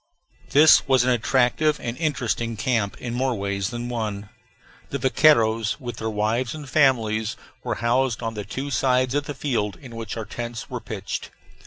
This was an attractive and interesting camp in more ways than one. The vaqueiros with their wives and families were housed on the two sides of the field in which our tents were pitched.